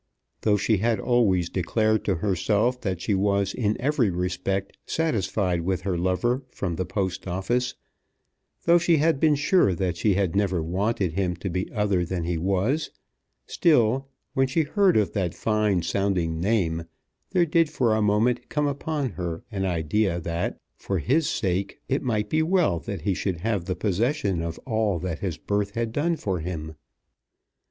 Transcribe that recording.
Though she had always declared to herself that she was in every respect satisfied with her lover from the Post Office, though she had been sure that she had never wanted him to be other than he was, still, when she heard of that fine sounding name, there did for a moment come upon her an idea that, for his sake, it might be well that he should have the possession of all that his birth had done for him.